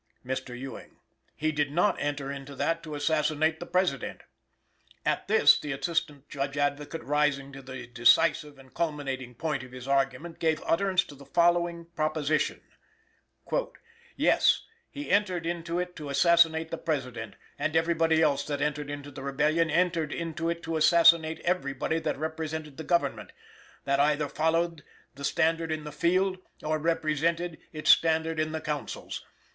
"Mr. Ewing. He did not enter into that to assassinate the President." At this, the Assistant Judge Advocate rising to the decisive and culminating point of his argument gave utterance to the following proposition: "Yes: he entered into it to assassinate the President; and everybody else that entered into the Rebellion entered into it to assassinate everybody that represented the Government, that either followed the standard in the field, or represented its standard in the counsels.